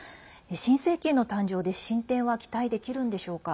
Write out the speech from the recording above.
新政権の誕生で進展は期待できるんでしょうか？